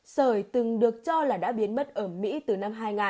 sởi từng được cho là đã biến mất ở mỹ từ năm hai nghìn